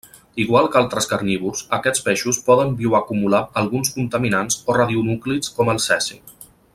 Igual que altres carnívors, aquests peixos poden bioacumular alguns contaminants o radionúclids com el cesi.